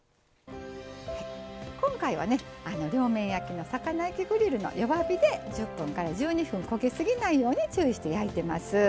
今回は両面焼きの魚焼きグリルの弱火で１０分から１２分焦げすぎないように注意して焼いてます。